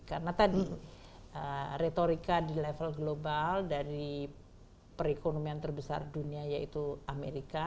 karena tadi retorika di level global dari perekonomian terbesar dunia yaitu amerika